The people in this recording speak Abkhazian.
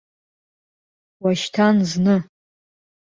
Уашьҭан зны.